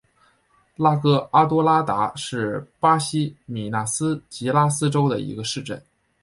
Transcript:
拉戈阿多拉达是巴西米纳斯吉拉斯州的一个市镇。